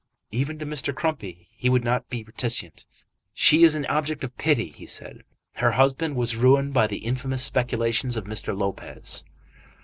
Even to Mr. Crumpy he could not be reticent. "She is an object of pity," he said. "Her husband was ruined by the infamous speculations of Mr. Lopez."